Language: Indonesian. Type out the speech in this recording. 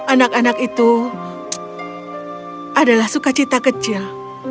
anak anak itu adalah sukacita kecil